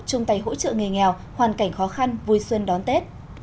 chung tay hỗ trợ người nghèo hoàn cảnh khó khăn vui xuân đón tết